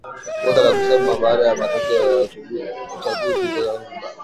ukosa la kusema baada ya matokeo ya uchaguzi huko zanzibar